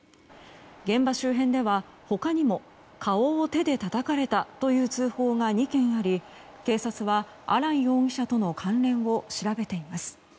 現場周辺では他にも顔を手でたたかれたという通報が２件あり警察はアラン容疑者との関連を調べています。